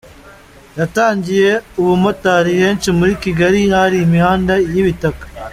Yatangiye ubumotari henshi muri Kigali hari imihanda y’ibitaka .